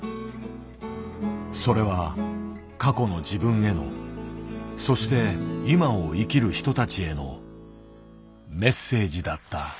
それは過去の自分へのそして今を生きる人たちへのメッセージだった。